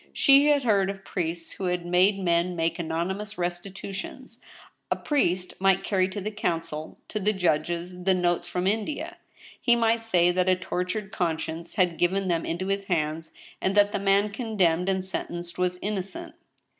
She had heard of priests who had made men make anonymous restitu tions. A priest might carry to the counsel, to the judges, the notes from India. He might say that a tortured conscience had given tliem into his hands, and that the man condemned and sentenced was innocent.